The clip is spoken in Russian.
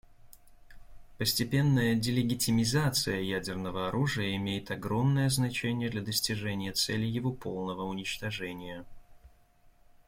Постепенная «делегитимизация» ядерного оружия имеет огромное значение для достижения цели его полного уничтожения.